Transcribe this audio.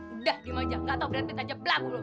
udah dimajang gak tau brad pitt aja belakang lo